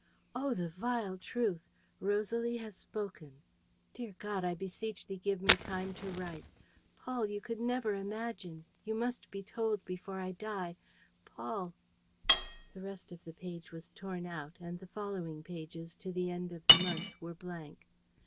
Oh, the vile truth! Rosalie has spoken. Dear God, I beseech Thee, give me time to write. ... Paul, you could never imagine. ... You must be told before I die. ... Paul. ..." The rest of the page was torn out; and the following pages, to the end of the month, were blank.